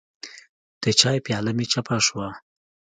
د چای پیاله مې چپه شوه.